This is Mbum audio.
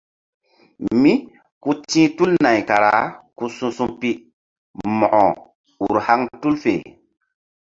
Mí ku ti̧h tul nay kara ku su̧su̧pi mo̧ko ur haŋ tul fe.